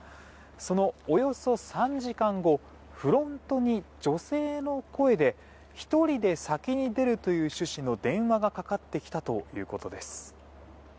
そのおよそ３時間後フロントに女性の声で１人で先に出るという趣旨の電話がかかってきたということです。